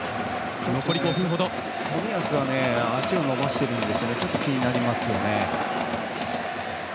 冨安が足を伸ばしているのがちょっと気になりますよね。